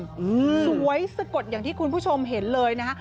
สวยสะกดอย่างที่คุณผู้ชมเห็นเลยนะฮะ